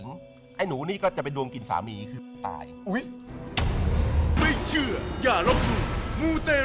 มูเตรุไม่เข้าใกล้ออกไส